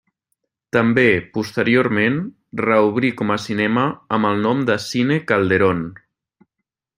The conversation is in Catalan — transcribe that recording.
També, posteriorment, reobrí com a cinema amb el nom de Cine Calderón.